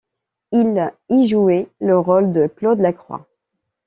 Il y jouait le rôle de Claude Lacroix.